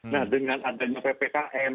nah dengan adanya ppkm